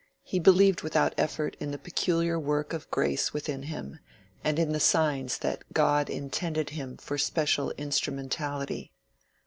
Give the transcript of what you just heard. He believed without effort in the peculiar work of grace within him, and in the signs that God intended him for special instrumentality.